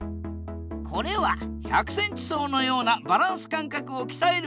これは１００ｃｍ走のようなバランス感覚をきたえる